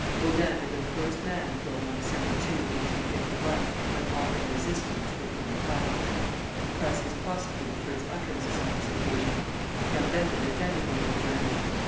Baudin had been the first man killed on Dec. 2, 1851, when offering resistance to the coup d'état. The Press was prosecuted for its utterances on this occasion. Gambetta defended one of the journals.